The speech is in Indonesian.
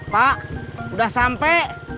pak udah sampe